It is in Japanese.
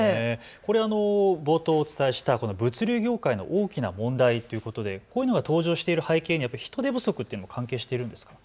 これは冒頭お伝えした物流境界の大きな問題ということでこういうのが登場している背景には人手不足も関係しているんですか。